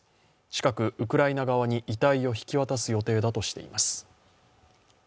近くウクライナ側に遺体を引き渡す予定だとしています。